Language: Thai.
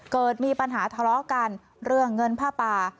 เกิดมีปัญหาทะเลาะกันเรื่องเงินผ้าป่า